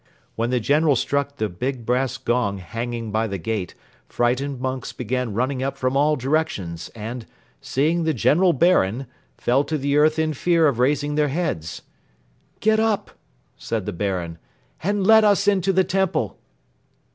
When the General struck the big brass gong hanging by the gate, frightened monks began running up from all directions and, seeing the "General Baron," fell to the earth in fear of raising their heads. "Get up," said the Baron, "and let us into the Temple!"